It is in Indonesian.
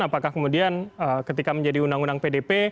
apakah kemudian ketika menjadi undang undang pdp